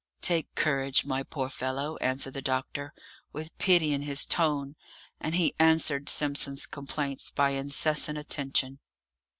"Take courage, my poor fellow!" answered the doctor, with pity in his tone, and he answered Simpson's complaints by incessant attention.